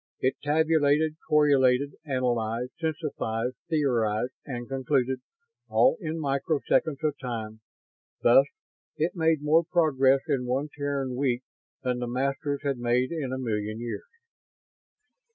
It tabulated, correlated, analyzed, synthesized, theorized and concluded all in microseconds of time. Thus it made more progress in one Terran week than the Masters had made in a million years.